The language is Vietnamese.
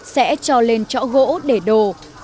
sẽ cho lên chỗ gỗ để đồ